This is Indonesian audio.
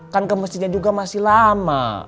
kan ke masjidnya juga masih lama